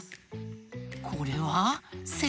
これは「せ」？